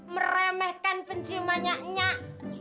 meremehkan penciumannya enyak